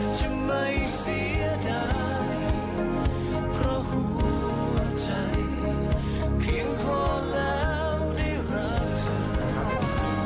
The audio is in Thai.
ฉันไม่เสียดายเพราะหัวใจมันเพียงพอแล้วได้รักเธอ